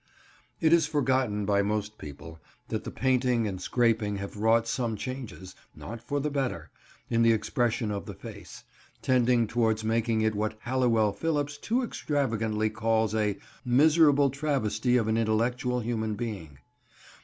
It is forgotten by most people that the painting and scraping have wrought some changes, not for the better, in the expression of the face, tending towards making it what Halliwell Phillipps too extravagantly calls a "miserable travesty of an intellectual human being."